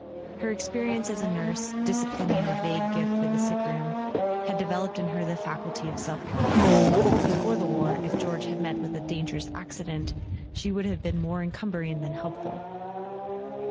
Her experience as a nurse, disciplining a vague gift for the sickroom, had devel¬ oped in her the faculty of self command: before the war, if George had met with a dangerous accident, she would have been more encumbering than helpful.